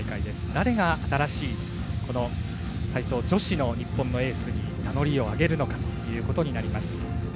誰が新しい体操女子の日本のエースに名乗りを挙げるのかということになります。